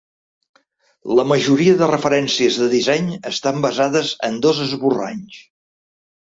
La majoria de referències de disseny estan basades en dos esborranys.